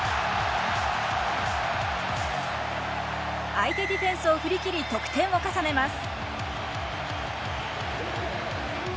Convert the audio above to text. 相手ディフェンスを振り切り得点を重ねます。